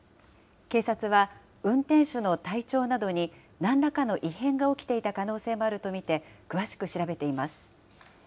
警察は、運転手の体調などになんらかの異変が起きていた可能性もあると見て詳しく調べています。